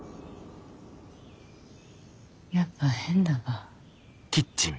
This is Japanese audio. やっぱ変だわ。